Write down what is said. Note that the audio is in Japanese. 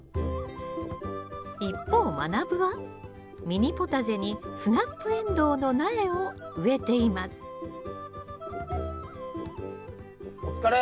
一方まなぶはミニポタジェにスナップエンドウの苗を植えていますお疲れ！